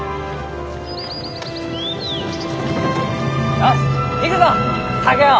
よし行くぞ竹雄！